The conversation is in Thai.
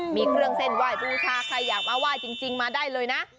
มีเครื่องเส้นไหว้บูชาใครอยากมาไหว้จริงมาได้เลยนะ